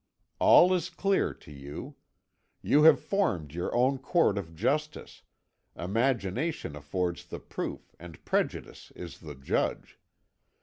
All is clear to you. You have formed your own court of justice, imagination affords the proof, and prejudice is the judge.